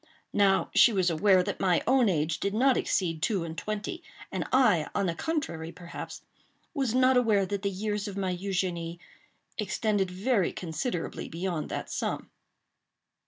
Now she was aware that my own age did not exceed two and twenty; and I, on the contrary, perhaps, was not aware that the years of my Eugénie extended very considerably beyond that sum.